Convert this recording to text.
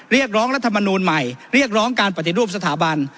เรียกร้องรัฐมนูลใหม่เรียกร้องการปฏิรูปสถาบัน